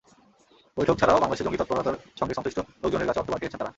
বৈঠক ছাড়াও বাংলাদেশে জঙ্গি তৎপরতার সঙ্গে সংশ্লিষ্ট লোকজনের কাছে অর্থ পাঠিয়েছেন তাঁরা।